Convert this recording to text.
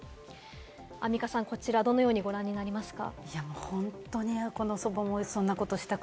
アンミカさん、こちら、どのようにご覧になりますか？